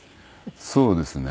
そうですね。